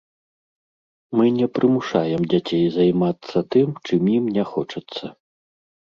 Мы не прымушаем дзяцей займацца тым, чым ім не хочацца.